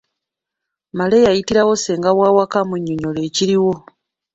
Male yayitirawo ssenga w'awaka amunnyonnyole ekiriwo.